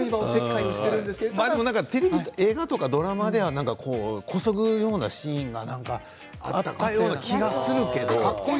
テレビや映画やドラマではこそぐようなシーンがあったような気がするけどね。